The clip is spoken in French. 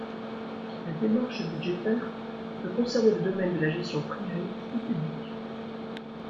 La démarche budgétaire peut concerner le domaine de la gestion privée ou publique.